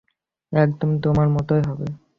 একদম তোমার মতোই হবে।